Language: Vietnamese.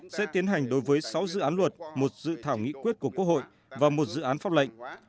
sẽ tiến hành đối với sáu dự án luật một dự thảo nghị quyết của quốc hội và một dự án pháp lệnh